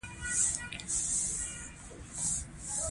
د الاسلام هو الحل شعار غالباً د اسلامي ډلو ده.